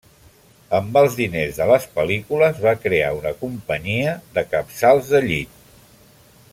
Amb els diners de les pel·lícules, va crear una companyia de capçals de llit.